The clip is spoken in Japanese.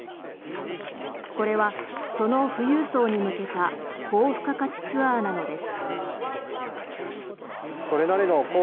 これはその富裕層に向けた高付加価値ツアーなのです。